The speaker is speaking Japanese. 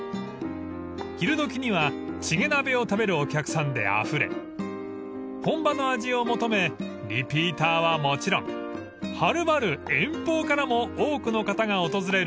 ［昼時にはチゲ鍋を食べるお客さんであふれ本場の味を求めリピーターはもちろんはるばる遠方からも多くの方が訪れる